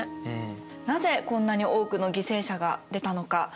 なぜこんなに多くの犠牲者が出たのか。